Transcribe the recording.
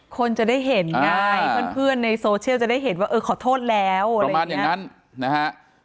คนจะได้เห็นง่ายเพื่อนในโซเชียลจะได้เห็นว่าเออขอโทษแล้วอะไรประมาณอย่างนั้นนะฮะ